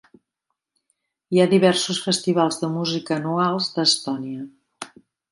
Hi ha diversos festivals de música anuals d'Estònia.